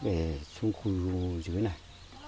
về xuống khu dưới này